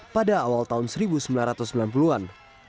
pada awal tahun seribu sembilan ratus sembilan puluh an